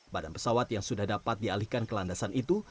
badan pesawat yang sudah dapat dialihkan ke landasan itu